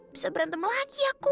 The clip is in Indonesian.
bisa berantem lagi aku